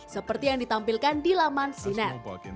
seperti yang ditampilkan di laman sinar